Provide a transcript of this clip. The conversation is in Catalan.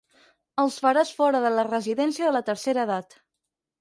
Els faràs fora de la residència de la tercera edat.